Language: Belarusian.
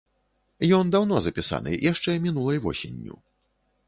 Ён даўно запісаны, яшчэ мінулай восенню.